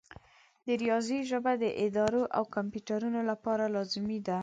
د ریاضي ژبه د ادارو او کمپیوټرونو لپاره لازمي ده.